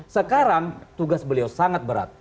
sekarang tugas beliau sangat berat